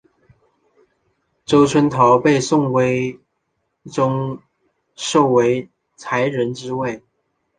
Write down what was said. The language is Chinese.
周春桃被宋徽宗授为才人之位。